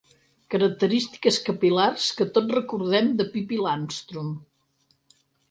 Característiques capil·lars que tots recordem de Pipi Landstrum.